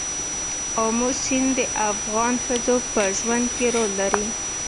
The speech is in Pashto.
آمو سیند د افغان ښځو په ژوند کې رول لري.